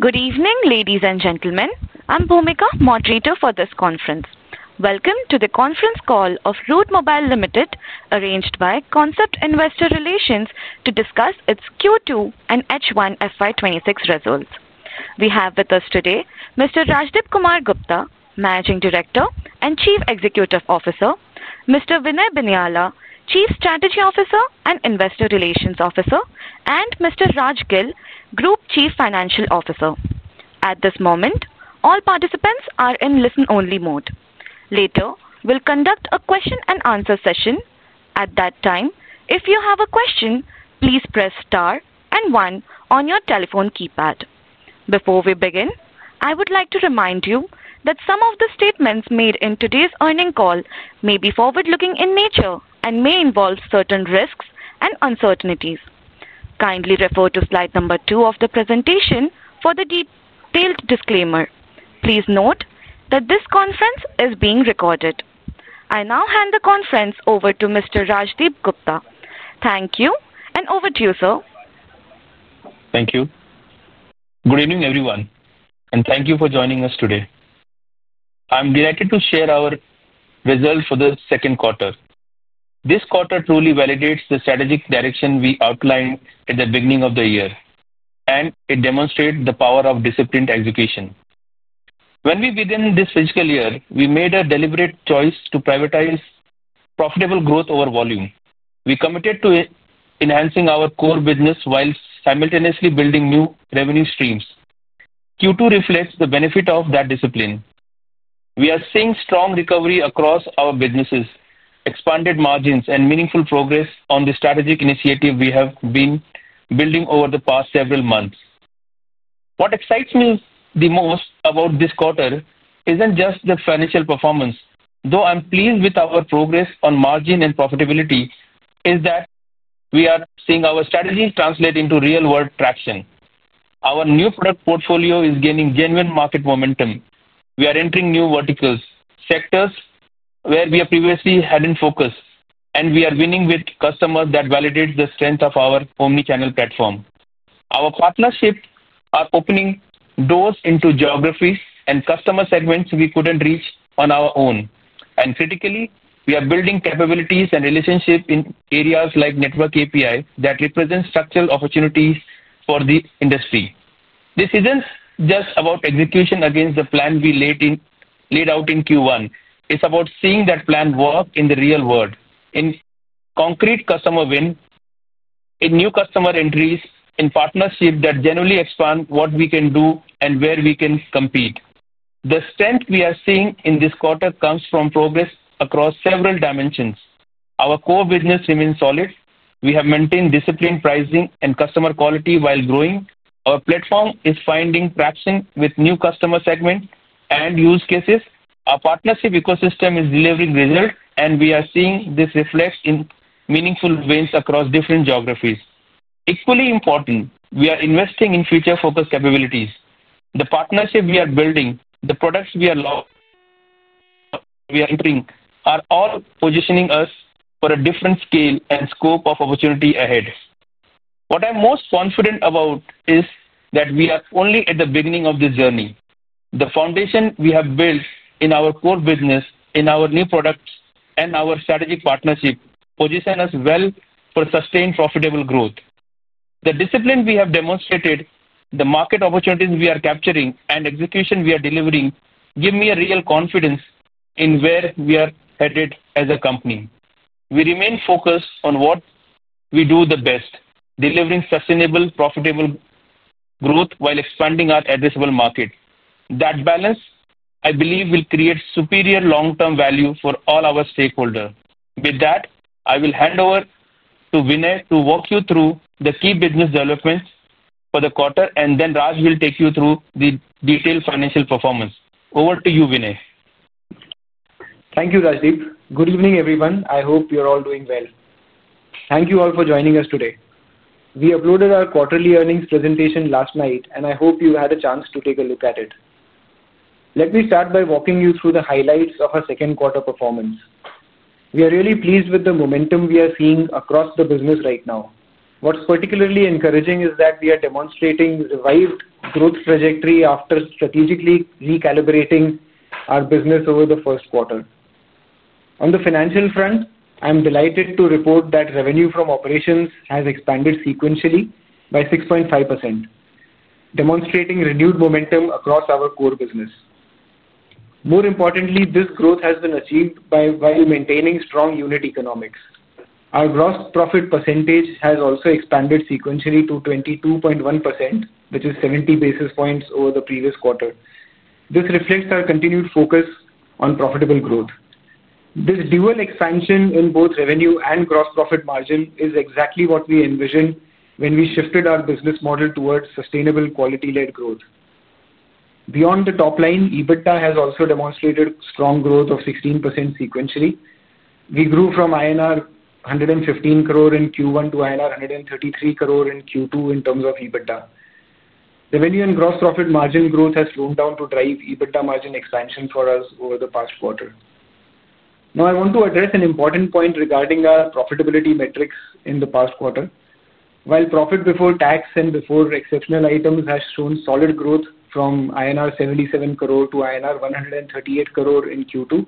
Good evening, ladies and gentlemen. I'm Bhumika, moderator for this conference. Welcome to the conference call of Route Mobile Limited, arranged by Concept Investor Relations to discuss its Q2 and H1 FY 2026 results. We have with us today Mr. Rajdip Kumar Gupta, Managing Director and Chief Executive Officer; Mr. Vinay Binyala, Chief Strategy Officer and Investor Relations Officer; and Mr. Raj Gill, Group Chief Financial Officer. At this moment, all participants are in listen-only mode. Later, we'll conduct a question and answer session. At that time, if you have a question, please press star and one on your telephone keypad. Before we begin, I would like to remind you that some of the statements made in today's earning call may be forward-looking in nature and may involve certain risks and uncertainties. Kindly refer to slide number two of the presentation for the detailed disclaimer. Please note that this conference is being recorded. I now hand the conference over to Mr. Rajdip Gupta. Thank you, and over to you, sir. Thank you. Good evening, everyone, and thank you for joining us today. I'm delighted to share our results for the second quarter. This quarter truly validates the strategic direction we outlined at the beginning of the year, and it demonstrates the power of disciplined execution. When we began this fiscal year, we made a deliberate choice to prioritize profitable growth over volume. We committed to enhancing our core business while simultaneously building new revenue streams. Q2 reflects the benefit of that discipline. We are seeing strong recovery across our businesses, expanded margins, and meaningful progress on the strategic initiative we have been building over the past several months. What excites me the most about this quarter isn't just the financial performance. Though I'm pleased with our progress on margin and profitability, it's that we are seeing our strategy translate into real-world traction. Our new product portfolio is gaining genuine market momentum. We are entering new verticals, sectors where we previously hadn't focused, and we are winning with customers that validate the strength of our omnichannel platform. Our partnerships are opening doors into geographies and customer segments we couldn't reach on our own. Critically, we are building capabilities and relationships in areas like network API that represent structural opportunities for the industry. This isn't just about execution against the plan we laid out in Q1. It's about seeing that plan work in the real world, in concrete customer win. In new customer entries, in partnerships that genuinely expand what we can do and where we can compete. The strength we are seeing in this quarter comes from progress across several dimensions. Our core business remains solid. We have maintained disciplined pricing and customer quality while growing. Our platform is finding traction with new customer segments and use cases. Our partnership ecosystem is delivering results, and we are seeing this reflect in meaningful wins across different geographies. Equally important, we are investing in future-focused capabilities. The partnership we are building, the products we are entering are all positioning us for a different scale and scope of opportunity ahead. What I'm most confident about is that we are only at the beginning of this journey. The foundation we have built in our core business, in our new products, and our strategic partnership position us well for sustained profitable growth. The discipline we have demonstrated, the market opportunities we are capturing, and execution we are delivering give me a real confidence in where we are headed as a company. We remain focused on what we do the best: delivering sustainable, profitable growth while expanding our addressable market. That balance, I believe, will create superior long-term value for all our stakeholders. With that, I will hand over to Vinay to walk you through the key business developments for the quarter, and then Raj will take you through the detailed financial performance. Over to you, Vinay. Thank you, Rajdip. Good evening, everyone. I hope you're all doing well. Thank you all for joining us today. We uploaded our quarterly earnings presentation last night, and I hope you had a chance to take a look at it. Let me start by walking you through the highlights of our second quarter performance. We are really pleased with the momentum we are seeing across the business right now. What's particularly encouraging is that we are demonstrating a revived growth trajectory after strategically recalibrating our business over the first quarter. On the financial front, I'm delighted to report that revenue from operations has expanded sequentially by 6.5%. Demonstrating renewed momentum across our core business. More importantly, this growth has been achieved while maintaining strong unit economics. Our gross profit percentage has also expanded sequentially to 22.1%, which is 70 basis points over the previous quarter. This reflects our continued focus on profitable growth. This dual expansion in both revenue and gross profit margin is exactly what we envisioned when we shifted our business model towards sustainable, quality-led growth. Beyond the top line, EBITDA has also demonstrated strong growth of 16% sequentially. We grew from INR 115 crore in Q1 to INR 133 crore in Q2 in terms of EBITDA. Revenue and gross profit margin growth has slowed down to drive EBITDA margin expansion for us over the past quarter. Now, I want to address an important point regarding our profitability metrics in the past quarter. While profit before tax and before exceptional items has shown solid growth from INR 77 crore to INR 138 crore in Q2,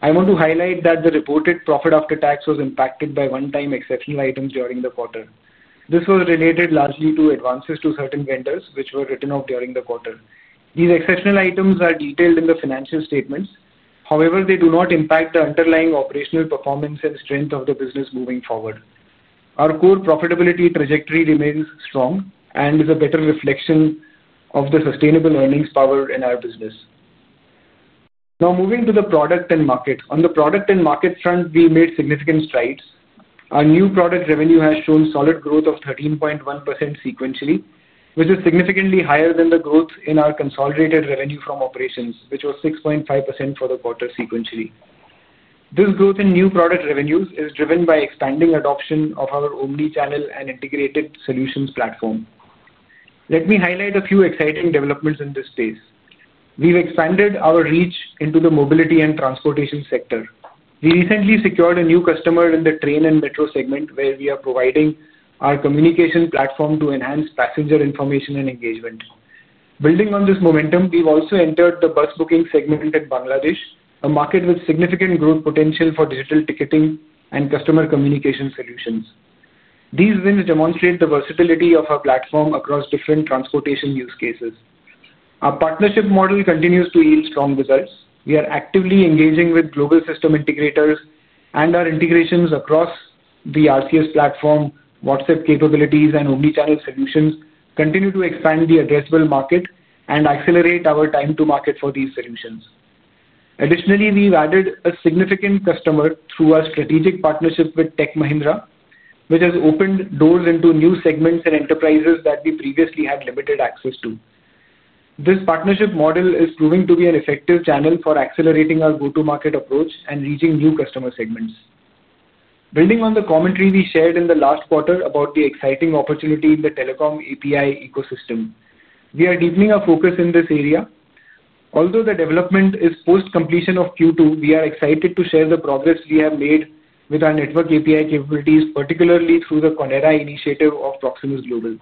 I want to highlight that the reported profit after tax was impacted by one-time exceptional items during the quarter. This was related largely to advances to certain vendors, which were written off during the quarter. These exceptional items are detailed in the financial statements. However, they do not impact the underlying operational performance and strength of the business moving forward. Our core profitability trajectory remains strong and is a better reflection of the sustainable earnings power in our business. Now, moving to the product and market. On the product and market front, we made significant strides. Our new product revenue has shown solid growth of 13.1% sequentially, which is significantly higher than the growth in our consolidated revenue from operations, which was 6.5% for the quarter sequentially. This growth in new product revenues is driven by expanding adoption of our omnichannel and integrated solutions platform. Let me highlight a few exciting developments in this space. We've expanded our reach into the mobility and transportation sector. We recently secured a new customer in the train and metro segment, where we are providing our communication platform to enhance passenger information and engagement. Building on this momentum, we've also entered the bus booking segment in Bangladesh, a market with significant growth potential for digital ticketing and customer communication solutions. These wins demonstrate the versatility of our platform across different transportation use cases. Our partnership model continues to yield strong results. We are actively engaging with global system integrators, and our integrations across the RCS platform, WhatsApp capabilities, and omnichannel solutions continue to expand the addressable market and accelerate our time-to-market for these solutions. Additionally, we've added a significant customer through our strategic partnership with Tech Mahindra, which has opened doors into new segments and enterprises that we previously had limited access to. This partnership model is proving to be an effective channel for accelerating our go-to-market approach and reaching new customer segments. Building on the commentary we shared in the last quarter about the exciting opportunity in the telecom API ecosystem, we are deepening our focus in this area. Although the development is post-completion of Q2, we are excited to share the progress we have made with our network API capabilities, particularly through the Konera initiative of Proximus Global.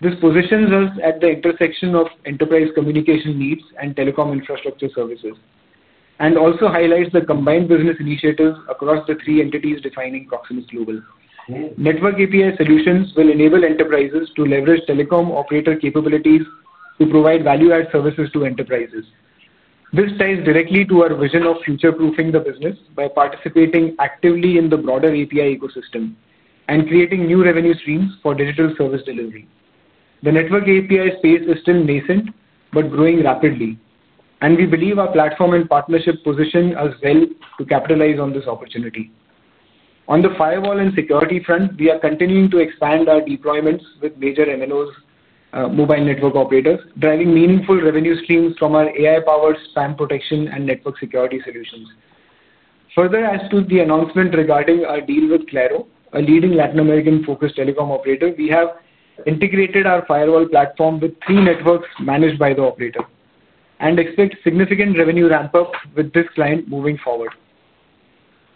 This positions us at the intersection of enterprise communication needs and telecom infrastructure services, and also highlights the combined business initiatives across the three entities defining Proximus Global. Network API solutions will enable enterprises to leverage telecom operator capabilities to provide value-add services to enterprises. This ties directly to our vision of future-proofing the business by participating actively in the broader API ecosystem and creating new revenue streams for digital service delivery. The network API space is still nascent but growing rapidly, and we believe our platform and partnership position us well to capitalize on this opportunity. On the firewall and security front, we are continuing to expand our deployments with major mobile network operators, driving meaningful revenue streams from our AI-powered spam protection and network security solutions. Further, as to the announcement regarding our deal with Claro, a leading Latin American-focused telecom operator, we have integrated our firewall platform with three networks managed by the operator and expect significant revenue ramp-up with this client moving forward.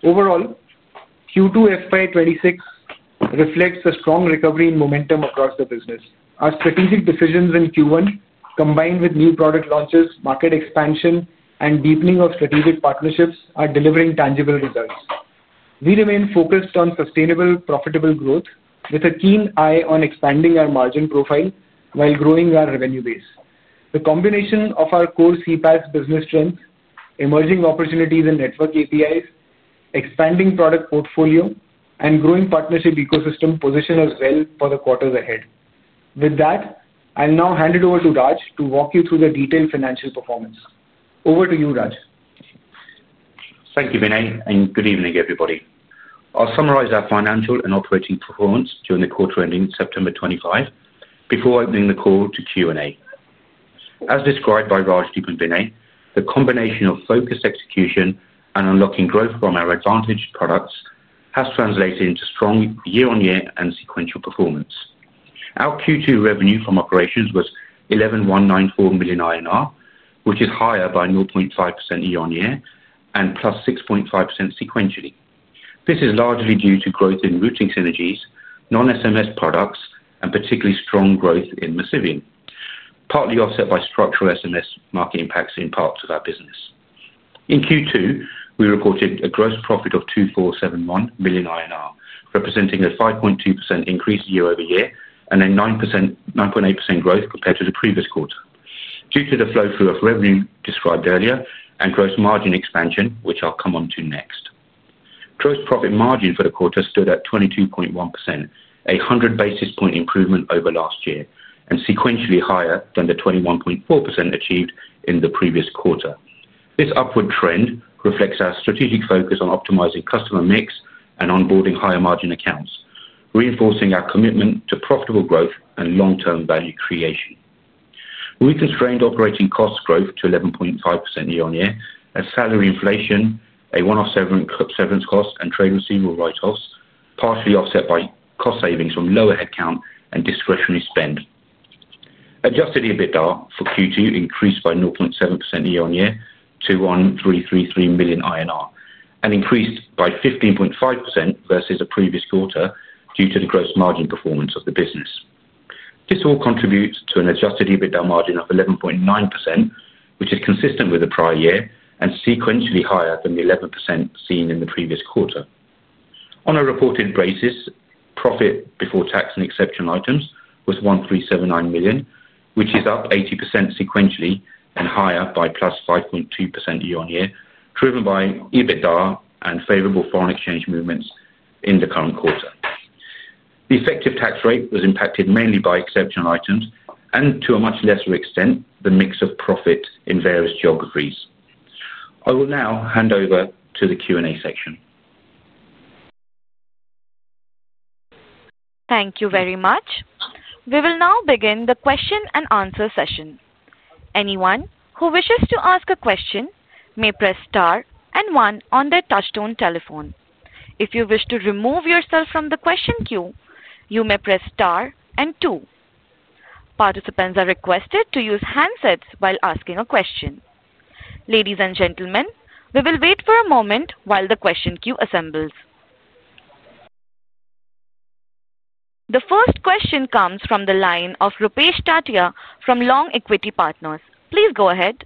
Overall, Q2 FY 2026 reflects a strong recovery in momentum across the business. Our strategic decisions in Q1, combined with new product launches, market expansion, and deepening of strategic partnerships, are delivering tangible results. We remain focused on sustainable, profitable growth with a keen eye on expanding our margin profile while growing our revenue base. The combination of our core CPaaS business strength, emerging opportunities in network APIs, expanding product portfolio, and growing partnership ecosystem position us well for the quarters ahead. With that, I'll now hand it over to Raj to walk you through the detailed financial performance. Over to you, Raj. Thank you, Vinay, and good evening, everybody. I'll summarize our financial and operating performance during the quarter ending September 25 before opening the call to Q&A. As described by Rajdip and Vinay, the combination of focused execution and unlocking growth from our advantaged products has translated into strong year-on-year and sequential performance. Our Q2 revenue from operations was 11,194 million INR, which is higher by 0.5% year-on-year and +6.5% sequentially. This is largely due to growth in routing synergies, non-SMS products, and particularly strong growth in massiving, partly offset by structural SMS market impacts in parts of our business. In Q2, we reported a gross profit of 2,471 million INR, representing a 5.2% increase year-over-year and a 9.8% growth compared to the previous quarter. Due to the flow through of revenue described earlier and gross margin expansion, which I'll come on to next, gross profit margin for the quarter stood at 22.1%, a 100 basis point improvement over last year, and sequentially higher than the 21.4% achieved in the previous quarter. This upward trend reflects our strategic focus on optimizing customer mix and onboarding higher margin accounts, reinforcing our commitment to profitable growth and long-term value creation. We constrained operating cost growth to 11.5% year-on-year, as salary inflation, a one-off severance cost, and trade receivable write-offs partially offset by cost savings from lower headcount and discretionary spend. Adjusted EBITDA for Q2 increased by 0.7% year-on-year to INR 1,333 million and increased by 15.5% versus the previous quarter due to the gross margin performance of the business. This all contributes to an adjusted EBITDA margin of 11.9%, which is consistent with the prior year and sequentially higher than the 11% seen in the previous quarter. On a reported basis, profit before tax and exceptional items was 1,379 million, which is up 80% sequentially and higher by +5.2% year-on-year, driven by EBITDA and favorable foreign exchange movements in the current quarter. The effective tax rate was impacted mainly by exceptional items and, to a much lesser extent, the mix of profit in various geographies. I will now hand over to the Q&A section. Thank you very much. We will now begin the question-and-answer session. Anyone who wishes to ask a question may press star and one on their touchstone telephone. If you wish to remove yourself from the question queue, you may press star and two. Participants are requested to use handsets while asking a question. Ladies and gentlemen, we will wait for a moment while the question queue assembles. The first question comes from the line of Rupesh Tatia from Long Equity Partners. Please go ahead.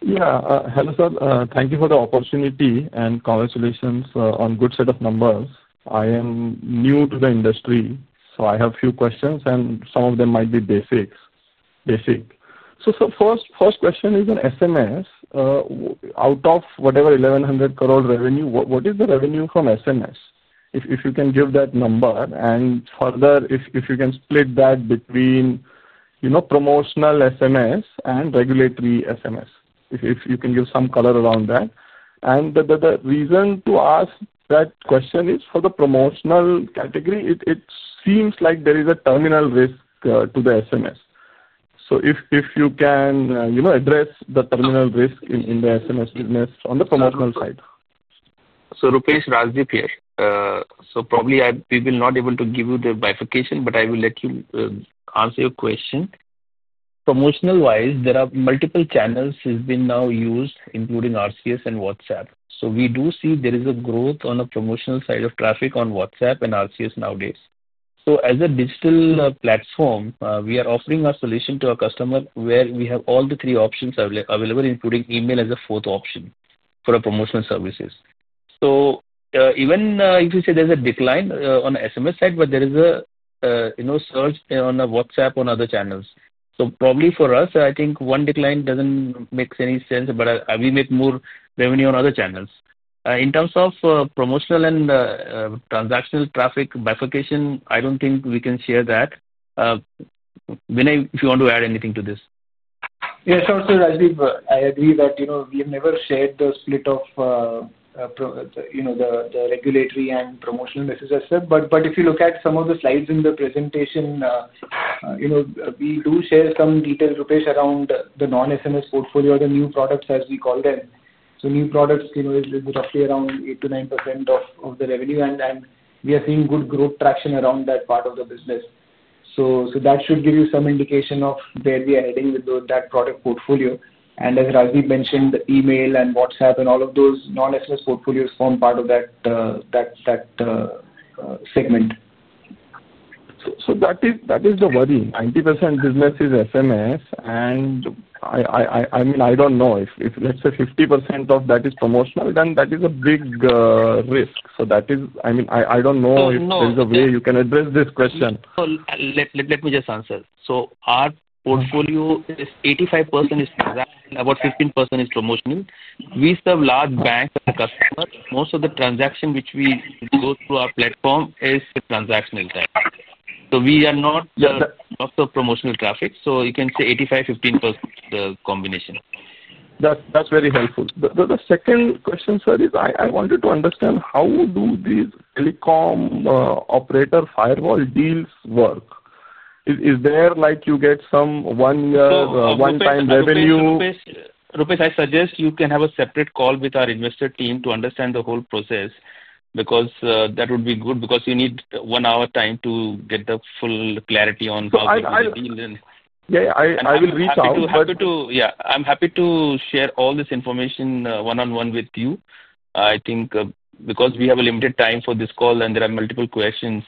Yeah. Hello, sir. Thank you for the opportunity and congratulations on a good set of numbers. I am new to the industry, so I have a few questions, and some of them might be basic. First question is on SMS. Out of whatever 1,100 crore revenue, what is the revenue from SMS? If you can give that number and further, if you can split that between promotional SMS and regulatory SMS, if you can give some color around that. The reason to ask that question is for the promotional category, it seems like there is a terminal risk to the SMS. If you can address the terminal risk in the SMS business on the promotional side. Rupesh, Rajdip here. Probably we will not be able to give you the bifurcation, but I will let you answer your question. Promotional-wise, there are multiple channels that have been now used, including RCS and WhatsApp. We do see there is a growth on the promotional side of traffic on WhatsApp and RCS nowadays. As a digital platform, we are offering our solution to our customer where we have all the three options available, including email as a fourth option for our promotional services. Even if you say there's a decline on the SMS side, there is a surge on WhatsApp and other channels. Probably for us, I think one decline does not make any sense, but we make more revenue on other channels. In terms of promotional and transactional traffic bifurcation, I do not think we can share that. Vinay, if you want to add anything to this. Yes, sir. So Rajdip, I agree that we have never shared the split of the regulatory and promotional message, I said. If you look at some of the slides in the presentation, we do share some details, Rupesh, around the non-SMS portfolio or the new products, as we call them. New products is roughly around 8%-9% of the revenue, and we are seeing good growth traction around that part of the business. That should give you some indication of where we are heading with that product portfolio. As Rajdip mentioned, Email and WhatsApp and all of those non-SMS portfolios form part of that segment. That is the worry. 90% business is SMS, and I mean, I don't know. If, let's say, 50% of that is promotional, then that is a big risk. That is, I mean, I don't know if there is a way you can address this question. Let me just answer. Our portfolio is 85% transactional and about 15% promotional. We serve large banks and customers. Most of the transactions which go through our platform are transactional type. We are not lots of promotional traffic. You can say 85%-15% combination. That's very helpful. The second question, sir, is I wanted to understand how do these telecom operator firewall deals work? Is there like you get some one-time revenue? Rupesh, I suggest you can have a separate call with our investor team to understand the whole process because that would be good because you need one hour time to get the full clarity on how the deal is. Yeah, I will reach out. Yeah, I'm happy to share all this information one-on-one with you, I think, because we have a limited time for this call and there are multiple questions.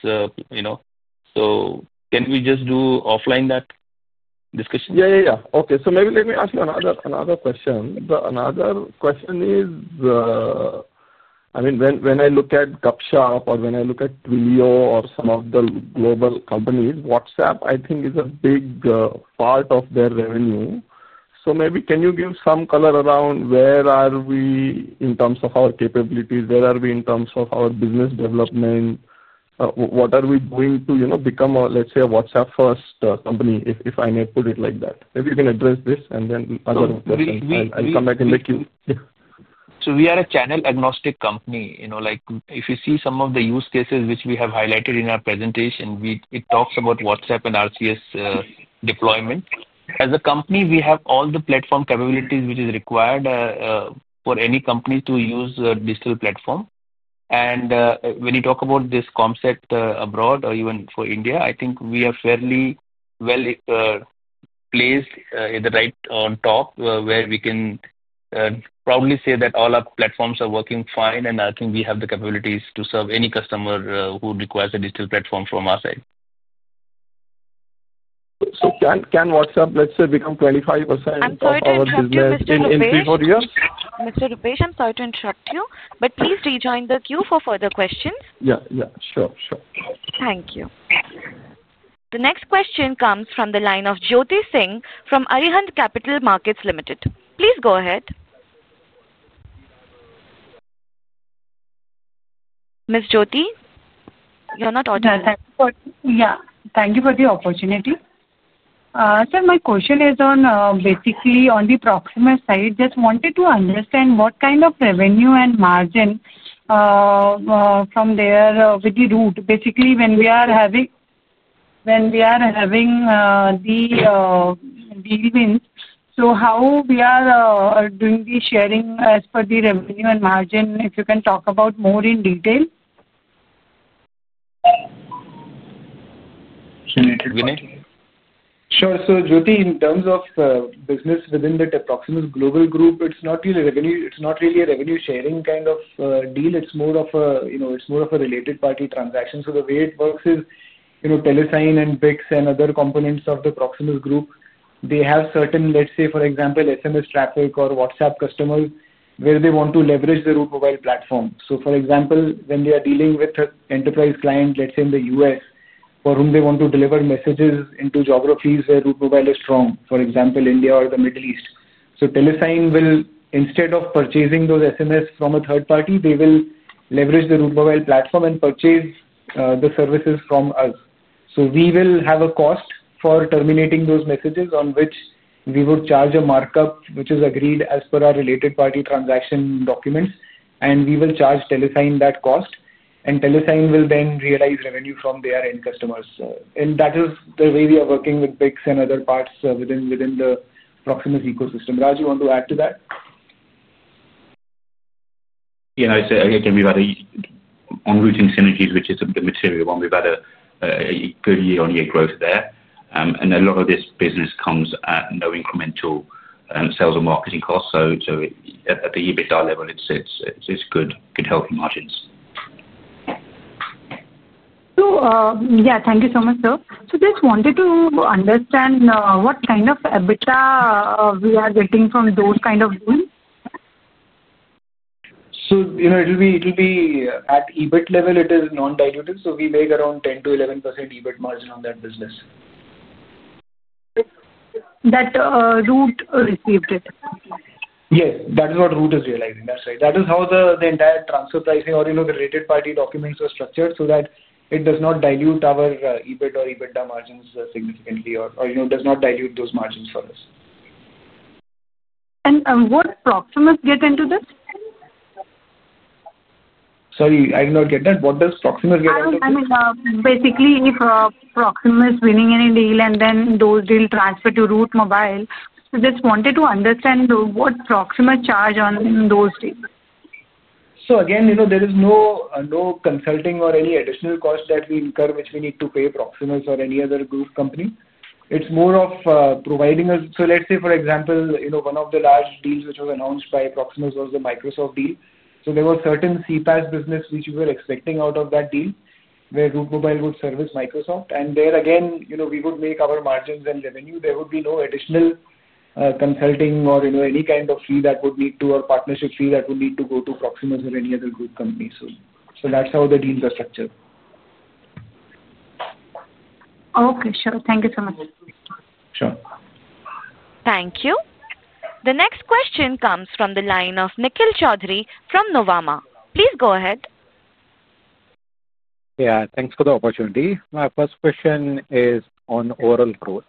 Can we just do offline that discussion? Yeah, okay. So maybe let me ask you another question. The another question is, I mean, when I look at Gupshup or when I look at Twilio or some of the global companies, WhatsApp, I think, is a big part of their revenue. Maybe can you give some color around where are we in terms of our capabilities? Where are we in terms of our business development? What are we doing to become, let's say, a WhatsApp-first company, if I may put it like that? Maybe you can address this and then other. I'll come back and let you. We are a channel-agnostic company. If you see some of the use cases which we have highlighted in our presentation, it talks about WhatsApp and RCS deployment. As a company, we have all the platform capabilities which is required for any company to use a digital platform. When you talk about this concept abroad or even for India, I think we are fairly well placed, right on top, where we can proudly say that all our platforms are working fine, and I think we have the capabilities to serve any customer who requires a digital platform from our side. Can WhatsApp, let's say, become 25% of our business in three or four years? Mr. Rupesh, I'm sorry to interrupt you, but please rejoin the queue for further questions. Yeah, sure. Thank you. The next question comes from the line of Jyoti Singh from Arihant Capital Markets Limited. Please go ahead. Ms. Jyoti, you are not audio. Yeah. Thank you for the opportunity. Sir, my question is basically on the Proximus side. Just wanted to understand what kind of revenue and margin from there with the Route. Basically, when we are having the deal wins, how we are doing the sharing as per the revenue and margin, if you can talk about more in detail. Sure. Jyoti, in terms of business within the Proximus Global Group, it's not really a revenue-sharing kind of deal. It's more of a related-party transaction. The way it works is Telesign and BICS and other components of the Proximus Group, they have certain, let's say, for example, SMS traffic or WhatsApp customers where they want to leverage the Route Mobile platform. For example, when they are dealing with enterprise clients, let's say in the U.S., for whom they want to deliver messages into geographies where Route Mobile is strong, for example, India or the Middle East. Telesign will, instead of purchasing those SMS from a third party, leverage the Route Mobile platform and purchase the services from us. We will have a cost for terminating those messages on which we would charge a markup which is agreed as per our related-party transaction documents, and we will charge Telesign that cost, and Telesign will then realize revenue from their end customers. That is the way we are working with BICS and other parts within the Proximus ecosystem. Raj, you want to add to that? Yeah, no. Again, we've had on-routing synergies, which is a material one. We've had a good year-on-year growth there. A lot of this business comes at no incremental sales or marketing cost. At the EBITDA level, it's good, healthy margins. Yeah, thank you so much, sir. Just wanted to understand what kind of EBITDA we are getting from those kind of deals? It will be at EBIT level. It is non-dilutive. We make around 10%-11% EBIT margin on that business. That Route received it? Yes. That is what Route is realizing. That's right. That is how the entire transfer pricing or the related-party documents are structured so that it does not dilute our EBIT or EBITDA margins significantly or does not dilute those margins for us. What does Proximus get into this? Sorry, I did not get that. What does Proximus get into this? I mean, basically, if Proximus is winning any deal and then those deals transfer to Route Mobile, we just wanted to understand what Proximus charges on those deals. Again, there is no consulting or any additional cost that we incur which we need to pay Proximus or any other group company. It is more of providing us. For example, one of the large deals which was announced by Proximus was the Microsoft deal. There were certain CPaaS businesses which we were expecting out of that deal where Route Mobile would service Microsoft. There, again, we would make our margins and revenue. There would be no additional consulting or any kind of fee that would need to or partnership fee that would need to go to Proximus or any other group company. That is how the deals are structured. Okay. Sure. Thank you so much. Sure. Thank you. The next question comes from the line of Nikhil Chaudhary from Novama. Please go ahead. Yeah. Thanks for the opportunity. My first question is on overall growth.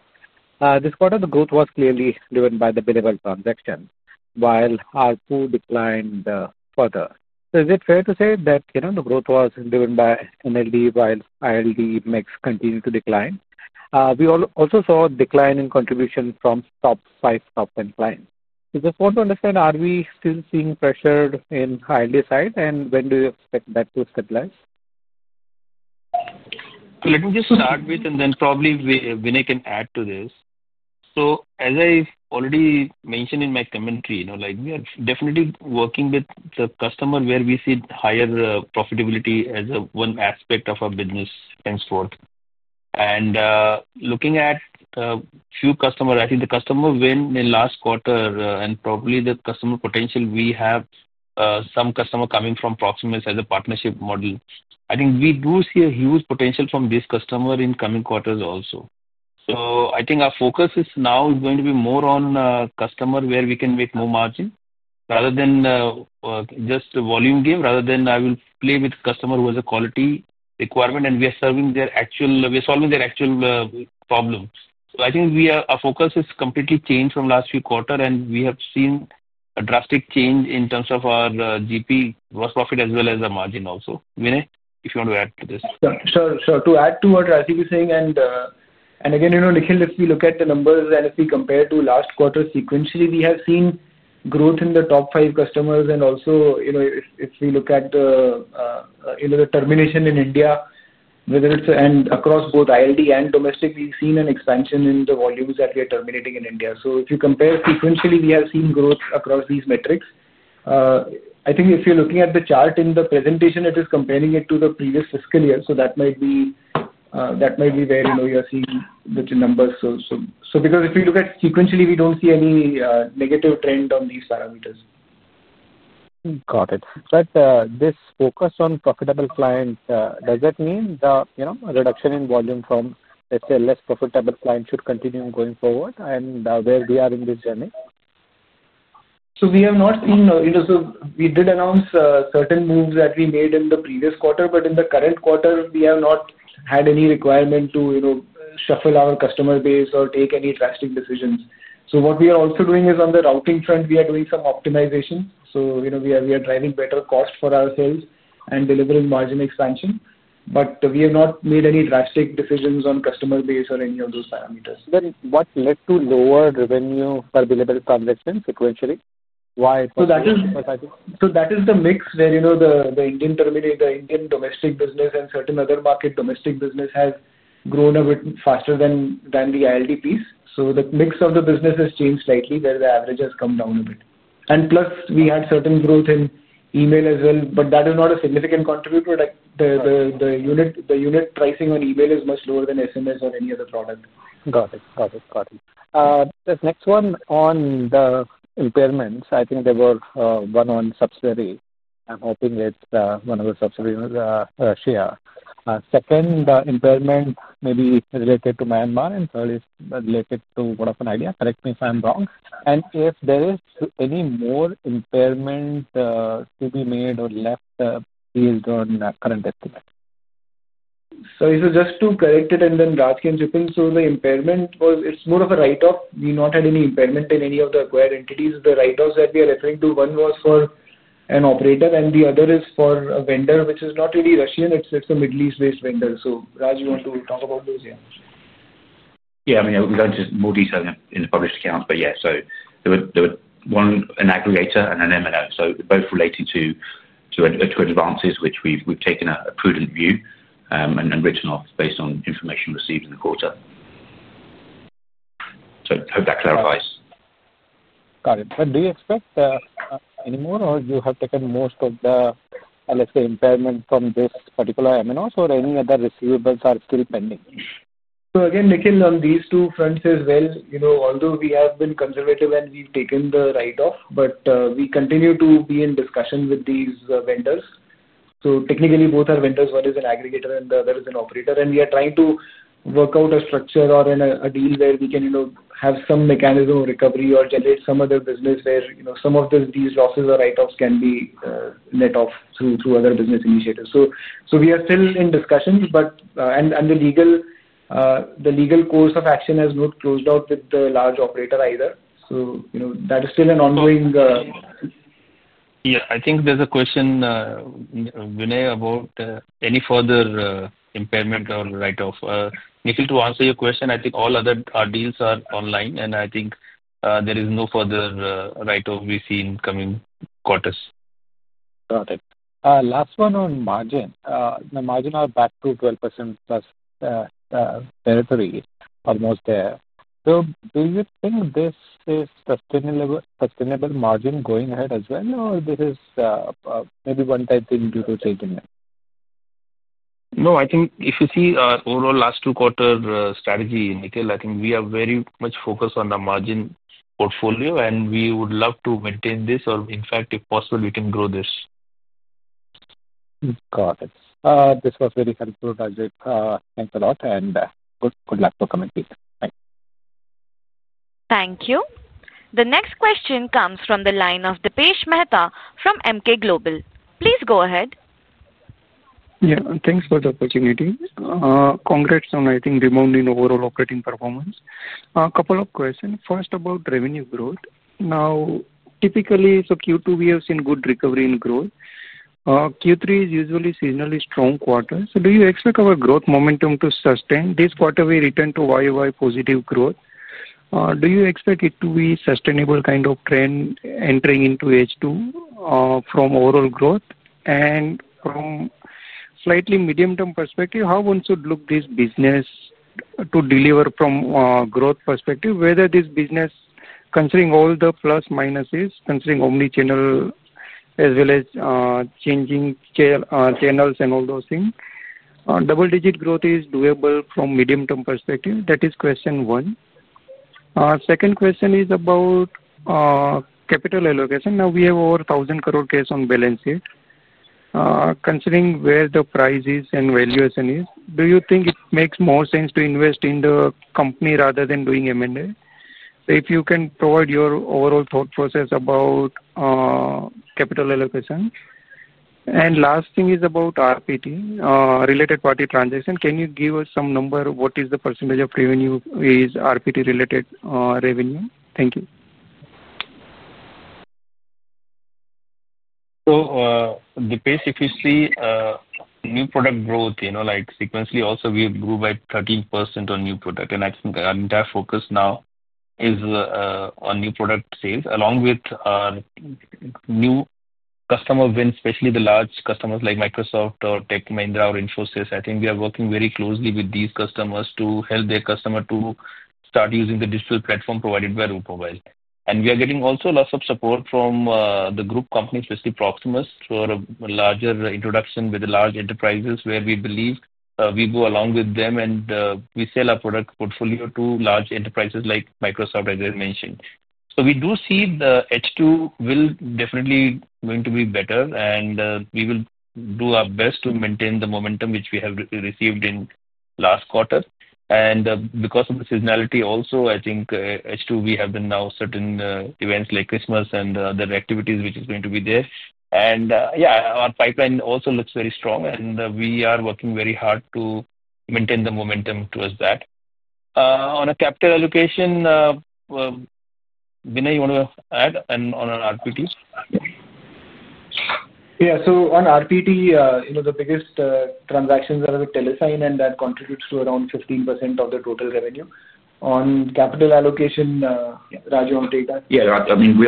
This quarter, the growth was clearly driven by the billable transactions, while ARPU declined further. Is it fair to say that the growth was driven by NLD while ILD mix continued to decline? We also saw a decline in contribution from top five top end clients. I just want to understand, are we still seeing pressure in ILD side, and when do you expect that to stabilize? Let me just start with, and then probably Vinay can add to this. As I already mentioned in my commentary, we are definitely working with the customer where we see higher profitability as one aspect of our business henceforth. Looking at a few customers, I think the customer went in last quarter, and probably the customer potential, we have some customer coming from Proximus as a partnership model. I think we do see a huge potential from this customer in coming quarters also. I think our focus now is going to be more on customer where we can make more margin rather than just volume game, rather than I will play with customer who has a quality requirement, and we are serving their actual, we are solving their actual problems. I think our focus has completely changed from last few quarters, and we have seen a drastic change in terms of our GP, gross profit, as well as the margin also. Vinay, if you want to add to this. Sure. Sure. To add to what Rajdip is saying, and again, Nikhil, if we look at the numbers and if we compare to last quarter sequentially, we have seen growth in the top five customers. Also, if we look at the termination in India, whether it is across both ILD and domestic, we have seen an expansion in the volumes that we are terminating in India. If you compare sequentially, we have seen growth across these metrics. I think if you are looking at the chart in the presentation, it is comparing it to the previous fiscal year. That might be where you are seeing the numbers. Because if we look at sequentially, we do not see any negative trend on these parameters. Got it. This focus on profitable clients, does that mean a reduction in volume from, let's say, less profitable clients should continue going forward, and where are we in this journey? We have not seen, we did announce certain moves that we made in the previous quarter, but in the current quarter, we have not had any requirement to shuffle our customer base or take any drastic decisions. What we are also doing is on the routing front, we are doing some optimization. We are driving better cost for ourselves and delivering margin expansion. We have not made any drastic decisions on customer base or any of those parameters. What led to lower revenue for billable transactions sequentially? Why? That is the mix where the Indian domestic business and certain other market domestic business has grown a bit faster than the ILD piece. The mix of the business has changed slightly, where the average has come down a bit. Plus, we had certain growth in email as well, but that is not a significant contributor. The unit pricing on email is much lower than SMS or any other product. Got it. Got it. Got it. This next one on the impairments, I think there was one on subsidiary. I'm hoping it's one of the subsidiaries, Shia. Second, the impairment may be related to Myanmar, and third is related to one of an idea. Correct me if I'm wrong. If there is any more impairment to be made or left based on current estimates? Just to correct it and then Raj can jump in. The impairment was, it is more of a write-off. We have not had any impairment in any of the acquired entities. The write-offs that we are referring to, one was for an operator, and the other is for a vendor which is not really Russian. It is a Middle East-based vendor. Raj, you want to talk about those, yeah? Yeah. I mean, I'll go into more detail in the published accounts, but yeah. There was one an aggregator and an M&O. Both related to advances, which we've taken a prudent view and written off based on information received in the quarter. Hope that clarifies. Got it. Do you expect any more, or you have taken most of the, let's say, impairment from this particular M&Os, or any other receivables are still pending? Again, Nikhil, on these two fronts as well, although we have been conservative and we've taken the write-off, we continue to be in discussion with these vendors. Technically, both are vendors. One is an aggregator, and the other is an operator. We are trying to work out a structure or a deal where we can have some mechanism of recovery or generate some other business where some of these losses or write-offs can be let off through other business initiatives. We are still in discussion, and the legal course of action has not closed out with the large operator either. That is still ongoing. Yeah. I think there's a question, Vinay, about any further impairment or write-off. Nikhil, to answer your question, I think all other deals are online, and I think there is no further write-off we've seen coming quarters. Got it. Last one on margin. The margin are back to 12%+. Territory is almost there. Do you think this is sustainable margin going ahead as well, or this is maybe one-time thing due to changing it? No, I think if you see our overall last two-quarter strategy, Nikhil, I think we are very much focused on the margin portfolio, and we would love to maintain this, or in fact, if possible, we can grow this. Got it. This was very helpful, Rajdip. Thanks a lot, and good luck for coming here. Thanks. Thank you. The next question comes from the line of Dipesh Mehta from Emkay Global. Please go ahead. Yeah. Thanks for the opportunity. Congrats on, I think, rebounding overall operating performance. A couple of questions. First, about revenue growth. Now, typically, Q2, we have seen good recovery in growth. Q3 is usually seasonally strong quarter. Do you expect our growth momentum to sustain? This quarter, we returned to YoY positive growth. Do you expect it to be a sustainable kind of trend entering into H2 from overall growth? And from slightly medium-term perspective, how one should look at this business to deliver from a growth perspective, whether this business, considering all the plus minuses, considering omnichannel as well as changing channels and all those things, double-digit growth is doable from a medium-term perspective. That is question one. Second question is about capital allocation. Now, we have over 1,000 crore cash on balance sheet. Considering where the price is and valuation is, do you think it makes more sense to invest in the company rather than doing M&A? If you can provide your overall thought process about capital allocation. And last thing is about RPT, related-party transaction. Can you give us some number of what is the percentage of revenue is RPT-related revenue? Thank you. Dipesh, if you see, new product growth, like sequentially, also we grew by 13% on new product. I think our entire focus now is on new product sales, along with new customer wins, especially the large customers like Microsoft or Tech Mahindra or Infosys. I think we are working very closely with these customers to help their customers to start using the digital platform provided by Route Mobile. We are getting also lots of support from the group companies, especially Proximus, for a larger introduction with the large enterprises where we believe we go along with them and we sell our product portfolio to large enterprises like Microsoft, as I mentioned. We do see the H2 will definitely going to be better, and we will do our best to maintain the momentum which we have received in last quarter. Because of the seasonality also, I think H2, we have been now certain events like Christmas and other activities which is going to be there. Yeah, our pipeline also looks very strong, and we are working very hard to maintain the momentum towards that. On a capital allocation, Vinay, you want to add on RPT? Yeah. On RPT, the biggest transactions are with Telesign, and that contributes to around 15% of the total revenue. On capital allocation, Raj, you want to take that? Yeah. I mean,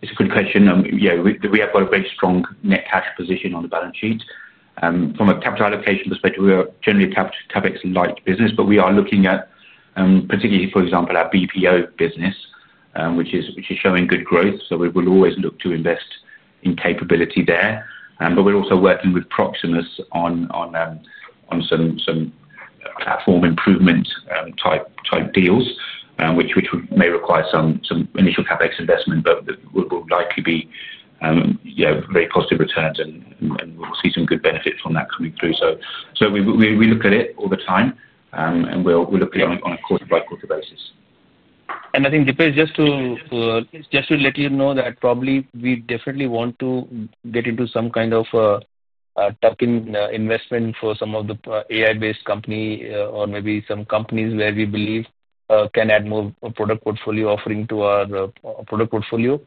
it's a good question. Yeah. We have got a very strong net cash position on the balance sheet. From a capital allocation perspective, we are generally a CapEx-like business, but we are looking at, particularly, for example, our BPO business, which is showing good growth. We will always look to invest in capability there. We're also working with Proximus on some platform improvement type deals, which may require some initial CapEx investment, but will likely be very positive returns, and we'll see some good benefits from that coming through. We look at it all the time, and we'll look at it on a quarter-by-quarter basis. I think, Dipesh, just to let you know that probably we definitely want to get into some kind of tuck-in investment for some of the AI-based companies or maybe some companies where we believe can add more product portfolio offering to our product portfolio.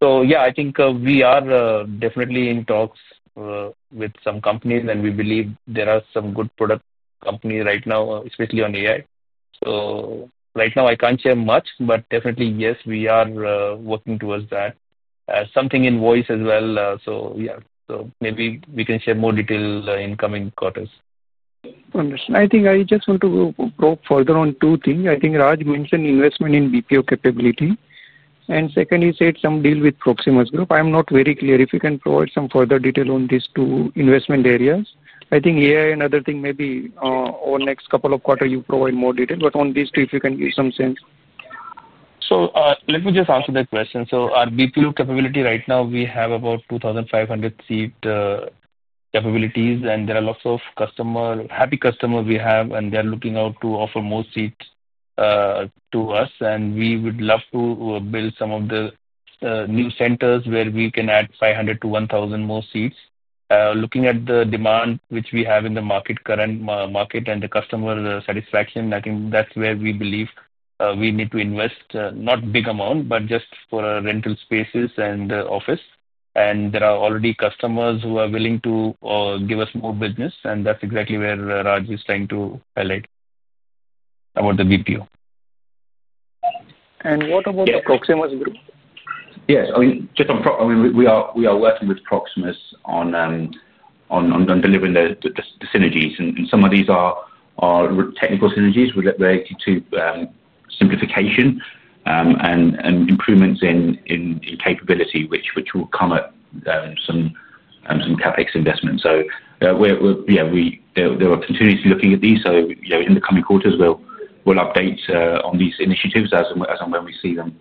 Yeah, I think we are definitely in talks with some companies, and we believe there are some good product companies right now, especially on AI. Right now, I can't share much, but definitely, yes, we are working towards that. Something in voice as well. Maybe we can share more detail in coming quarters. Understood. I think I just want to probe further on two things. I think Raj mentioned investment in BPO capability. Second, you said some deal with Proximus Global. I'm not very clear. If you can provide some further detail on these two investment areas. I think AI and other things, maybe over next couple of quarters, you provide more detail. On these two, if you can give some sense. Let me just answer that question. Our BPO capability right now, we have about 2,500 seat capabilities, and there are lots of happy customers we have, and they are looking out to offer more seats to us. We would love to build some of the new centers where we can add 500-1,000 more seats. Looking at the demand which we have in the current market and the customer satisfaction, I think that's where we believe we need to invest, not a big amount, but just for rental spaces and office. There are already customers who are willing to give us more business, and that's exactly where Raj is trying to highlight about the BPO. What about Proximus Group? Yeah. I mean, just on prop, I mean, we are working with Proximus on delivering the synergies. And some of these are technical synergies related to simplification and improvements in capability, which will come at some CapEx investment. Yeah. We're continuously looking at these. In the coming quarters, we'll update on these initiatives as and when we see them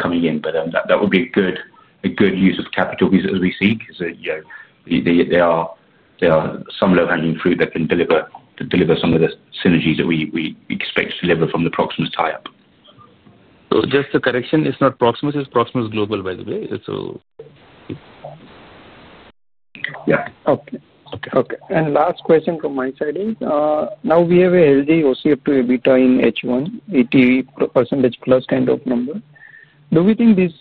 coming in. That would be a good use of capital, as we see, because there are some low-hanging fruit that can deliver some of the synergies that we expect to deliver from the Proximus tie-up. Just a correction, it's not Proximus. It's Proximus Global, by the way. Yeah. Okay. Okay. Okay. Last question from my side is, now we have a healthy OCF to EBITDA in H1, 80%+ kind of number. Do we think this,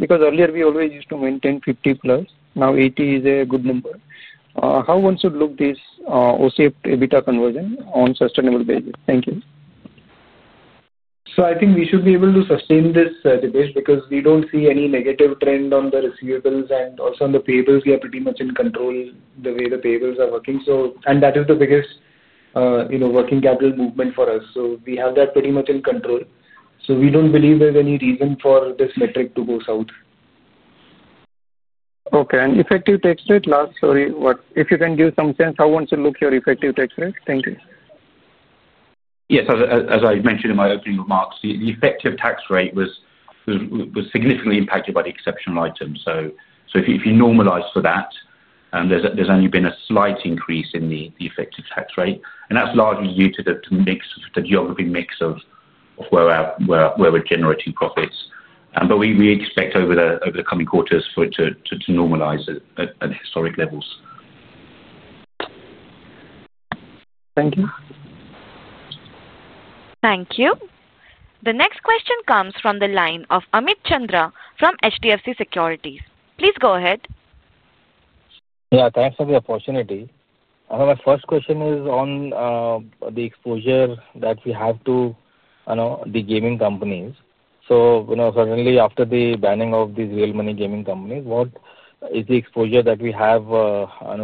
because earlier we always used to maintain 50%+, now 80% is a good number. How one should look at this OCF to EBITDA conversion on a sustainable basis? Thank you. I think we should be able to sustain this, Dipesh, because we do not see any negative trend on the receivables and also on the payables. We are pretty much in control the way the payables are working. That is the biggest working capital movement for us. We have that pretty much in control. We do not believe there is any reason for this metric to go south. Okay. Effective tax rate, last, sorry, what? If you can give some sense, how one should look at your effective tax rate? Thank you. Yes. As I mentioned in my opening remarks, the effective tax rate was significantly impacted by the exceptional items. If you normalize for that, there's only been a slight increase in the effective tax rate. That is largely due to the geography mix of where we're generating profits. We expect over the coming quarters for it to normalize at historic levels. Thank you. Thank you. The next question comes from the line of Amit Chandra from HDFC Securities. Please go ahead. Yeah. Thanks for the opportunity. My first question is on the exposure that we have to the gaming companies. Certainly, after the banning of these real money gaming companies, what is the exposure that we have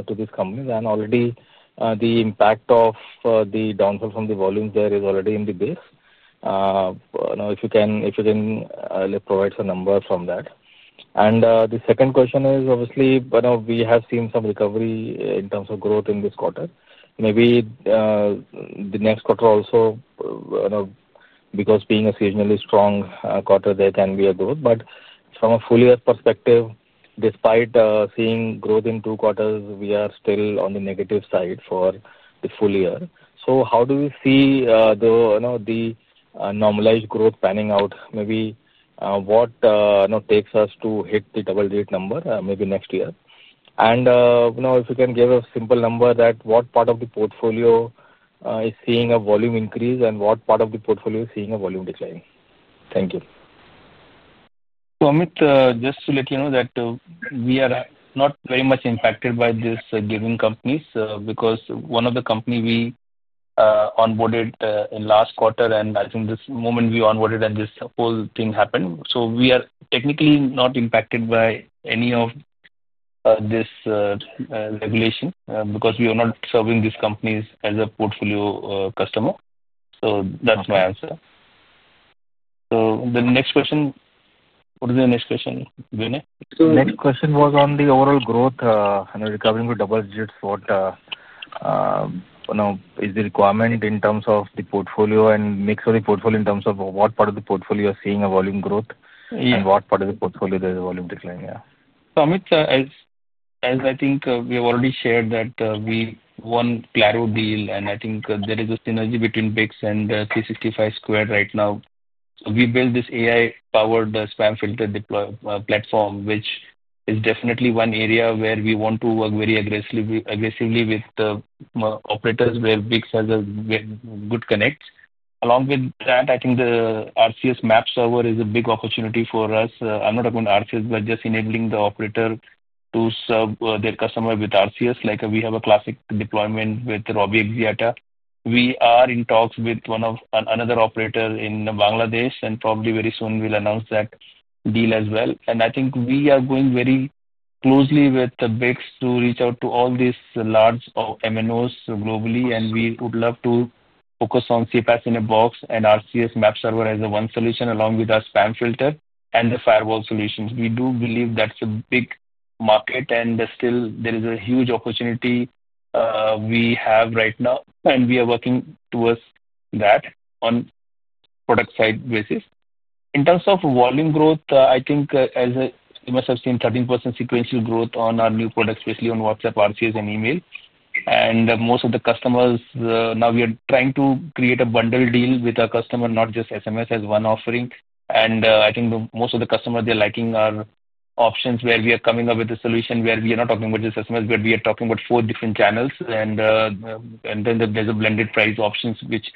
to these companies? Already, the impact of the downfall from the volumes there is already in the base. If you can provide some numbers from that. The second question is, obviously, we have seen some recovery in terms of growth in this quarter. Maybe the next quarter also, because being a seasonally strong quarter, there can be a growth. From a full-year perspective, despite seeing growth in two quarters, we are still on the negative side for the full year. How do we see the normalized growth panning out? Maybe what takes us to hit the double-digit number maybe next year? If you can give a simple number that what part of the portfolio is seeing a volume increase and what part of the portfolio is seeing a volume decline. Thank you. Amit, just to let you know that we are not very much impacted by these gaming companies because one of the companies we onboarded in last quarter, and I think this moment we onboarded and this whole thing happened. We are technically not impacted by any of this regulation because we are not serving these companies as a portfolio customer. That's my answer. What is the next question, Vinay? The next question was on the overall growth, recovering to double digits. What is the requirement in terms of the portfolio and mix of the portfolio in terms of what part of the portfolio is seeing a volume growth and what part of the portfolio there is a volume decline? Yeah. Amit, as I think we have already shared that, we won the Claro deal, and I think there is a synergy between BICS and 365squared right now. We built this AI-powered spam-filtered platform, which is definitely one area where we want to work very aggressively with operators where BICS has a good connect. Along with that, I think the RCS map server is a big opportunity for us. I am not talking about RCS, but just enabling the operator to serve their customer with RCS. Like we have a classic deployment with Ravi Exiata. We are in talks with another operator in Bangladesh, and probably very soon we will announce that deal as well. I think we are going very closely with BICS to reach out to all these large MNOs globally, and we would love to focus on CFS in a box and RCS map server as one solution along with our spam filter and the firewall solutions. We do believe that is a big market, and still there is a huge opportunity we have right now, and we are working towards that on a product-side basis. In terms of volume growth, I think you must have seen 13% sequential growth on our new products, especially on WhatsApp, RCS, and email. Most of the customers, now we are trying to create a bundle deal with our customer, not just SMS as one offering. I think most of the customers, they are liking our options where we are coming up with a solution where we are not talking about just SMS, but we are talking about four different channels. Then there is a blended price option, which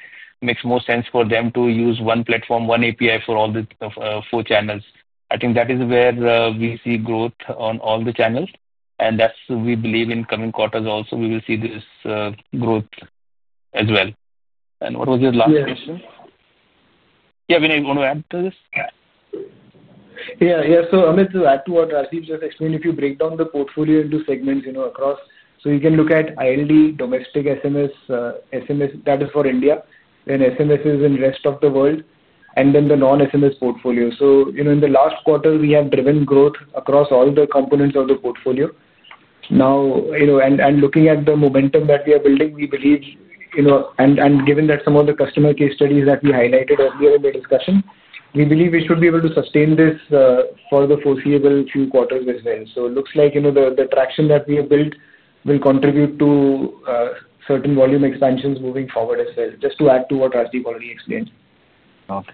makes more sense for them to use one platform, one API for all the four channels. I think that is where we see growth on all the channels. We believe in coming quarters also, we will see this growth as well. What was your last question? Yeah. Vinay, you want to add to this? Yeah. Yeah. Amit, to add to what Rajdip just explained, if you break down the portfolio into segments across, you can look at ILD, domestic SMS, that is for India, and SMS in the rest of the world, and then the non-SMS portfolio. In the last quarter, we have driven growth across all the components of the portfolio. Now, looking at the momentum that we are building, we believe. Given that some of the customer case studies that we highlighted earlier in the discussion, we believe we should be able to sustain this for the foreseeable few quarters as well. It looks like the traction that we have built will contribute to certain volume expansions moving forward as well. Just to add to what Rajdip already explained. Okay.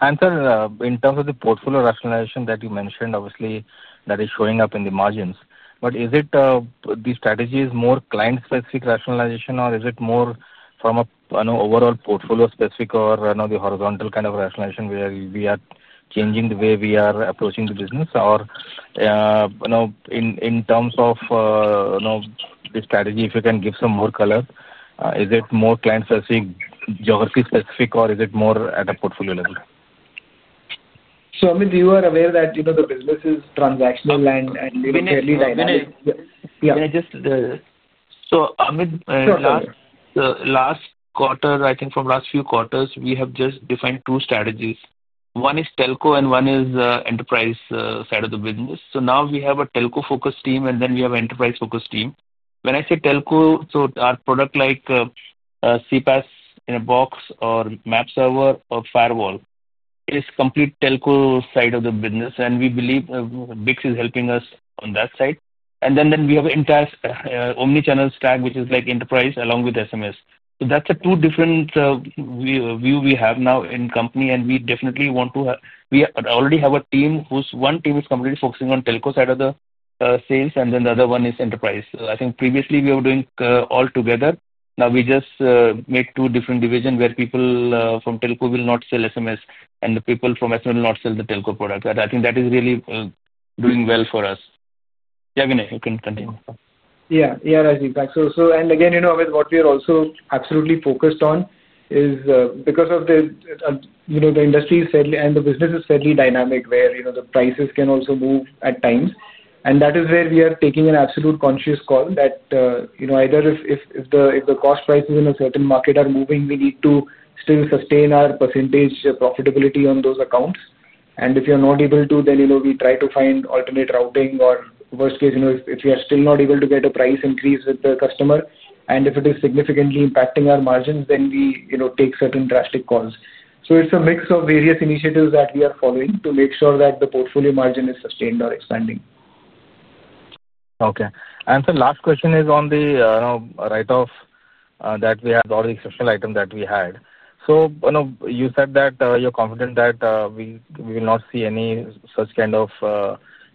Sir, in terms of the portfolio rationalization that you mentioned, obviously, that is showing up in the margins. Is this strategy more client-specific rationalization, or is it more from an overall portfolio-specific or the horizontal kind of rationalization where we are changing the way we are approaching the business? In terms of the strategy, if you can give some more color, is it more client-specific, geography-specific, or is it more at a portfolio level? Amit, you are aware that the business is transactional and fairly dynamic. Vinay, just. So Amit. Sure. Last quarter, I think from last few quarters, we have just defined two strategies. One is telco, and one is enterprise side of the business. Now we have a telco-focused team, and then we have an enterprise-focused team. When I say telco, our product like CFS in a box or map server or firewall is complete telco side of the business. We believe BICS is helping us on that side. Then we have an entire omnichannel stack, which is like enterprise along with SMS. That is the two different views we have now in the company, and we definitely want to. We already have a team whose one team is completely focusing on telco side of the sales, and then the other one is enterprise. I think previously we were doing all together. Now we just made two different divisions where people from telco will not sell SMS, and the people from SMS will not sell the telco product. I think that is really doing well for us. Yeah, Vinay, you can continue. Yeah. Yeah, Rajdip. Again, Amit, what we are also absolutely focused on is because the industry and the business is fairly dynamic where the prices can also move at times. That is where we are taking an absolute conscious call that either if the cost prices in a certain market are moving, we need to still sustain our percentage profitability on those accounts. If you're not able to, then we try to find alternate routing or worst case, if we are still not able to get a price increase with the customer, and if it is significantly impacting our margins, then we take certain drastic calls. It is a mix of various initiatives that we are following to make sure that the portfolio margin is sustained or expanding. Okay. The last question is on the write-off that we had, all the exceptional items that we had. You said that you're confident that we will not see any such kind of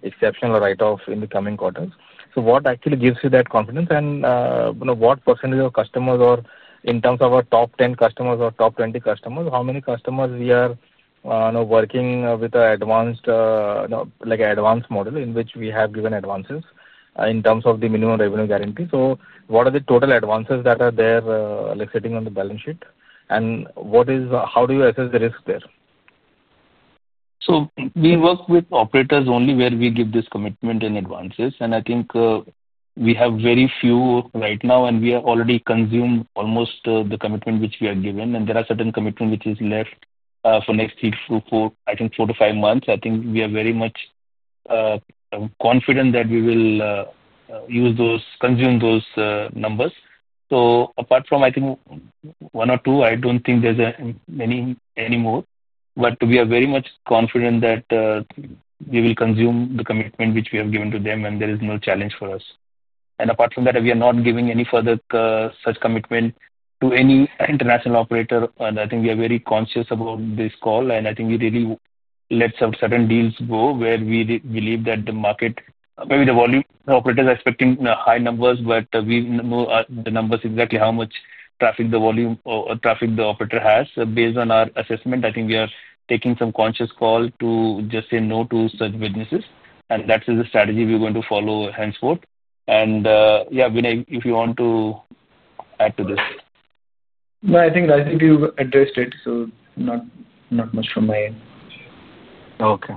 exceptional write-off in the coming quarters. What actually gives you that confidence? What percentage of customers or in terms of our top 10 customers or top 20 customers, how many customers are we working with an advanced model in which we have given advances in terms of the minimum revenue guarantee? What are the total advances that are there sitting on the balance sheet? How do you assess the risk there? We work with operators only where we give this commitment in advance. I think we have very few right now, and we have already consumed almost the commitment which we have given. There are certain commitments which are left for next week through, I think, four to five months. We are very much confident that we will use those, consume those numbers. Apart from, I think, one or two, I do not think there is any more. We are very much confident that we will consume the commitment which we have given to them, and there is no challenge for us. Apart from that, we are not giving any further such commitment to any international operator. We are very conscious about this call. We really let certain deals go where we believe that the market, maybe the volume, the operators are expecting high numbers, but we know the numbers exactly, how much traffic, the volume or traffic the operator has. Based on our assessment, we are taking some conscious call to just say no to such businesses. That is the strategy we are going to follow henceforth. Yeah, Vinay, if you want to add to this. No, I think Rajdip, you addressed it. So not much from my end. Okay.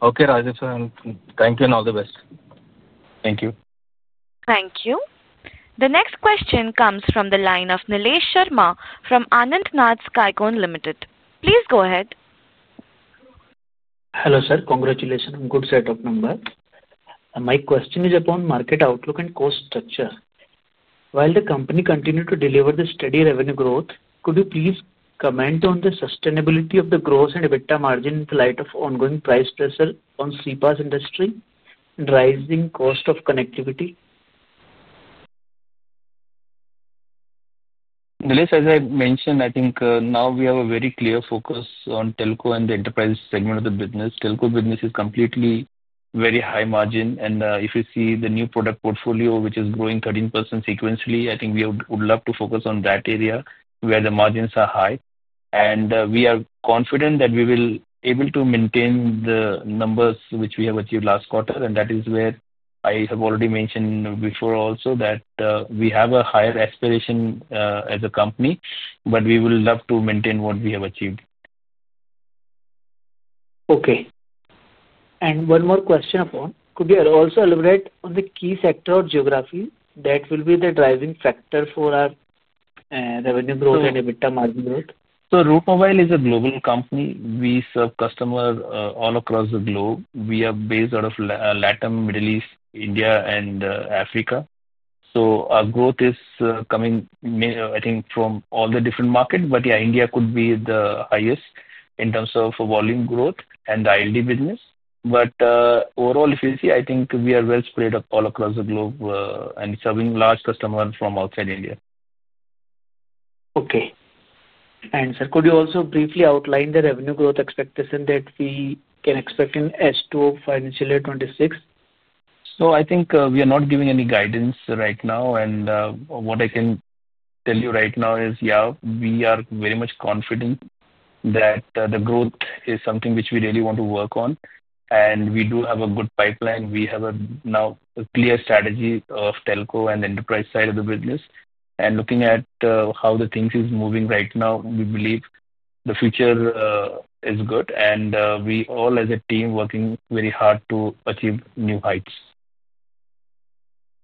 Okay, Rajdip sir. Thank you and all the best. Thank you. Thank you. The next question comes from the line of Nilesh Sharma from Anantnath Skycon Limited. Please go ahead. Hello sir. Congratulations on a good set of numbers. My question is upon market outlook and cost structure. While the company continues to deliver the steady revenue growth, could you please comment on the sustainability of the gross and EBITDA margin in the light of ongoing price pressure on CPaaS industry and rising cost of connectivity? Nilesh, as I mentioned, I think now we have a very clear focus on telco and the enterprise segment of the business. Telco business is completely very high margin. If you see the new product portfolio, which is growing 13% sequentially, I think we would love to focus on that area where the margins are high. We are confident that we will be able to maintain the numbers which we have achieved last quarter. That is where I have already mentioned before also that we have a higher aspiration as a company, but we will love to maintain what we have achieved. Okay. And one more question. Could you also elaborate on the key sector or geography that will be the driving factor for our revenue growth and EBITDA margin growth? Route Mobile is a global company. We serve customers all across the globe. We are based out of Latin America, Middle East, India, and Africa. Our growth is coming, I think, from all the different markets. Yeah, India could be the highest in terms of volume growth and the ILD business. Overall, if you see, I think we are well spread all across the globe and serving large customers from outside India. Okay. Sir, could you also briefly outline the revenue growth expectation that we can expect in S2 of financial year 2026? I think we are not giving any guidance right now. What I can tell you right now is, yeah, we are very much confident that the growth is something which we really want to work on. We do have a good pipeline. We have now a clear strategy of telco and enterprise side of the business. Looking at how the things are moving right now, we believe the future is good. We all, as a team, are working very hard to achieve new heights.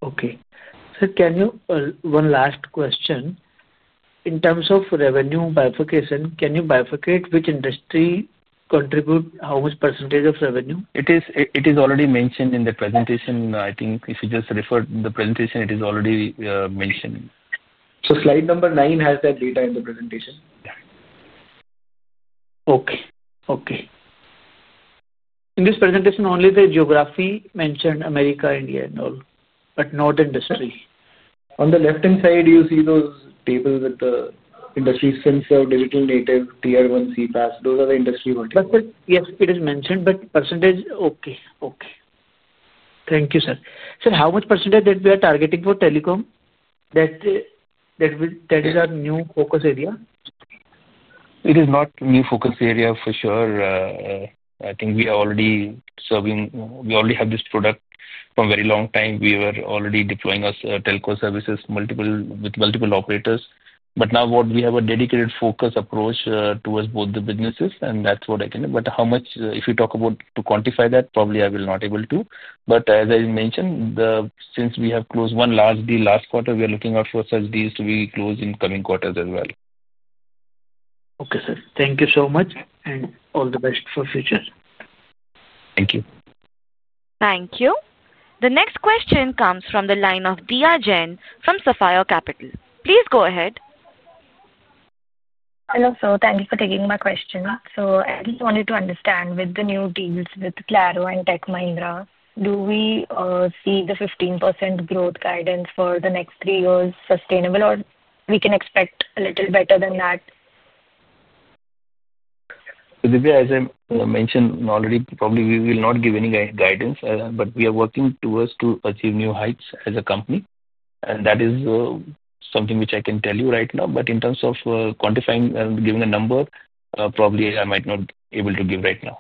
Okay. Sir, can you—one last question. In terms of revenue bifurcation, can you bifurcate which industry contributes how much percent of revenue? It is already mentioned in the presentation. I think if you just refer to the presentation, it is already mentioned. Slide number nine has that data in the presentation. Yeah. Okay. Okay. In this presentation, only the geography mentioned—America, India, and all—but not industry. On the left-hand side, you see those tables with the industry, sensor, digital native, tier 1 CPaaS. Those are the industry verticals. Yes, it is mentioned, but percentage—okay. Okay. Thank you, sir. Sir, how much percentage that we are targeting for telecom? That is our new focus area? It is not a new focus area for sure. I think we are already serving—we already have this product for a very long time. We were already deploying our telco services with multiple operators. Now we have a dedicated focus approach towards both the businesses, and that's what I can—but how much—if you talk about to quantify that, probably I will not be able to. As I mentioned, since we have closed one large deal last quarter, we are looking out for such deals to be closed in coming quarters as well. Okay, sir. Thank you so much. All the best for future. Thank you. Thank you. The next question comes from the line of Dia Jain from Saphire Capital. Please go ahead. Hello, sir. Thank you for taking my question. I just wanted to understand, with the new deals with Claro and Tech Mahindra, do we see the 15% growth guidance for the next three years sustainable, or can we expect a little better than that? Dia, as I mentioned already, probably we will not give any guidance, but we are working towards achieving new heights as a company. That is something which I can tell you right now. In terms of quantifying and giving a number, probably I might not be able to give right now.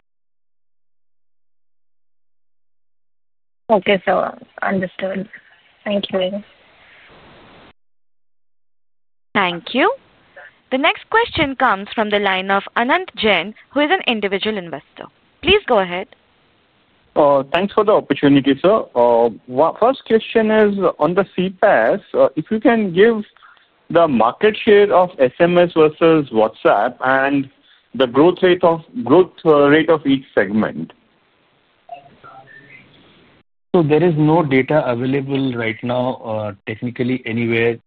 Okay, sir. Understood. Thank you. Thank you. The next question comes from the line of Anand Jen, who is an individual investor. Please go ahead. Thanks for the opportunity, sir. First question is on the CPaaS. If you can give the market share of SMS versus WhatsApp and the growth rate of each segment. There is no data available right now technically anywhere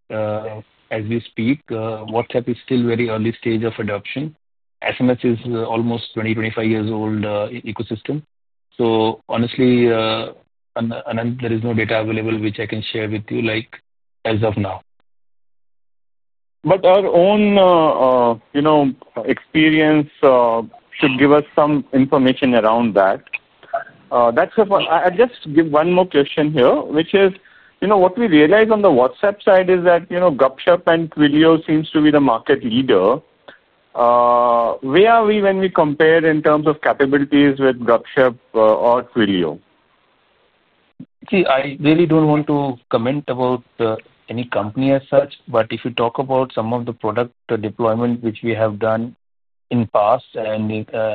as we speak. WhatsApp is still very early stage of adoption. SMS is almost 20-25 years old ecosystem. Honestly, Anand, there is no data available which I can share with you as of now. Our own experience should give us some information around that. That's it. I'll just give one more question here, which is what we realize on the WhatsApp side is that Gupshup and Twilio seem to be the market leader. Where are we when we compare in terms of capabilities with Gupshup or Twilio? See, I really do not want to comment about any company as such, but if you talk about some of the product deployment which we have done in the past,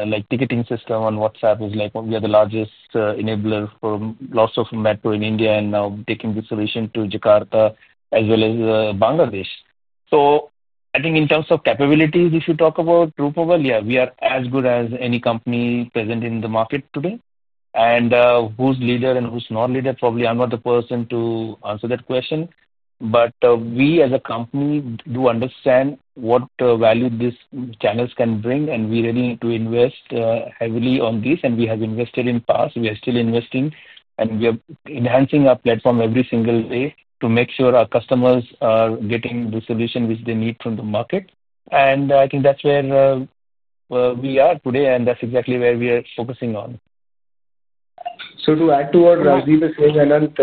like ticketing system on WhatsApp, we are the largest enabler for lots of metro in India and now taking the solution to Jakarta as well as Bangladesh. I think in terms of capabilities, if you talk about Route Mobile, yeah, we are as good as any company present in the market today. Who is leader and who is not leader, probably I am not the person to answer that question. We as a company do understand what value these channels can bring, and we really need to invest heavily on this. We have invested in the past. We are still investing, and we are enhancing our platform every single day to make sure our customers are getting the solution which they need from the market. I think that is where we are today, and that is exactly where we are focusing on. To add to what Rajdip is saying, Anand,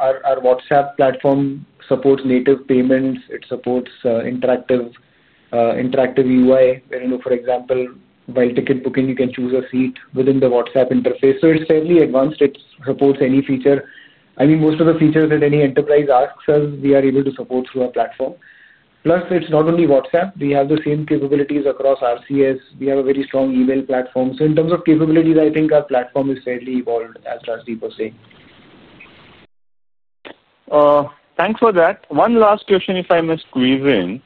our WhatsApp platform supports native payments. It supports interactive UI. For example, while ticket booking, you can choose a seat within the WhatsApp interface. It is fairly advanced. It supports any feature. I mean, most of the features that any enterprise asks us, we are able to support through our platform. Plus, it is not only WhatsApp. We have the same capabilities across RCS. We have a very strong email platform. In terms of capabilities, I think our platform is fairly evolved, as Rajdip was saying. Thanks for that. One last question, if I may squeeze in.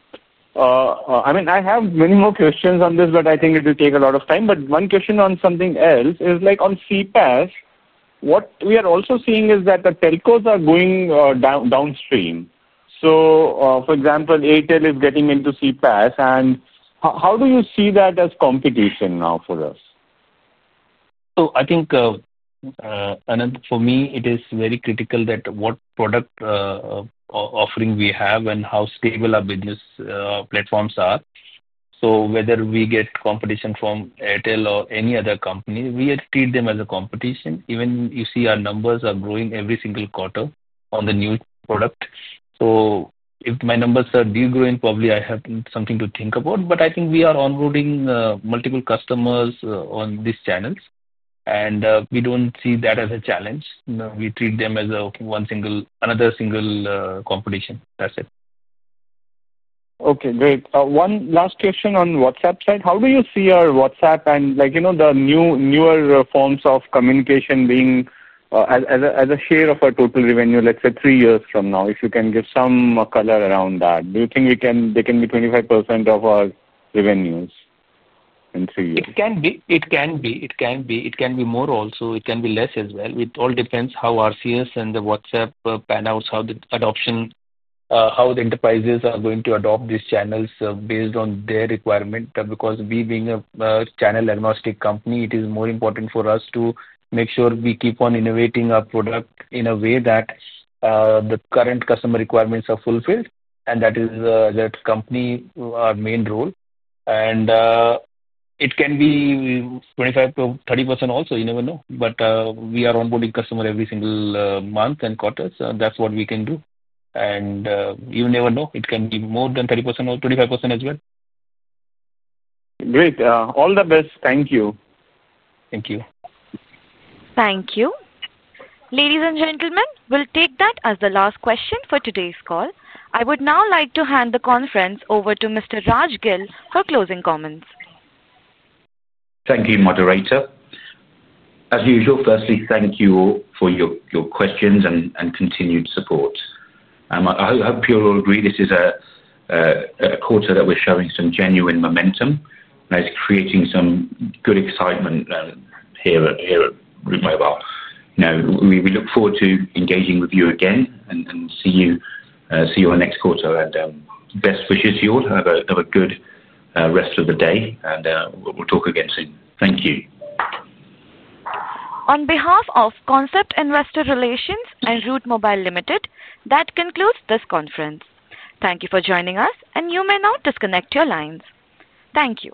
I mean, I have many more questions on this, but I think it will take a lot of time. One question on something else is on CPaaS, what we are also seeing is that the telcos are going downstream. For example, Airtel is getting into CPaaS. How do you see that as competition now for us? I think, Anand, for me, it is very critical that what product offering we have and how stable our business platforms are. Whether we get competition from Airtel or any other company, we treat them as a competition. Even you see our numbers are growing every single quarter on the new product. If my numbers are degrowing, probably I have something to think about. I think we are onboarding multiple customers on these channels. We do not see that as a challenge. We treat them as another single competition. That is it. Okay, great. One last question on WhatsApp side. How do you see our WhatsApp and the newer forms of communication being, as a share of our total revenue, let's say three years from now, if you can give some color around that? Do you think they can be 25% of our revenues in three years? It can be. It can be more also. It can be less as well. It all depends how RCS and the WhatsApp panels, how the enterprises are going to adopt these channels based on their requirement. Because we, being a channel-agnostic company, it is more important for us to make sure we keep on innovating our product in a way that the current customer requirements are fulfilled. That is the company's main role. It can be 25%-30% also. You never know. We are onboarding customers every single month and quarter. That is what we can do. You never know. It can be more than 30% or 25% as well. Great. All the best. Thank you. Thank you. Thank you. Ladies and gentlemen, we'll take that as the last question for today's call. I would now like to hand the conference over to Mr. Raj Gill for closing comments. Thank you, moderator. As usual, firstly, thank you for your questions and continued support. I hope you'll all agree this is a quarter that we're showing some genuine momentum and is creating some good excitement here at Route Mobile. We look forward to engaging with you again and see you in the next quarter. Best wishes to you all. Have a good rest of the day. We'll talk again soon. Thank you. On behalf of Concept Investor Relations and Route Mobile Limited, that concludes this conference. Thank you for joining us, and you may now disconnect your lines. Thank you.